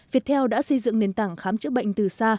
việt theo đã xây dựng nền tảng khám chữa bệnh từ xa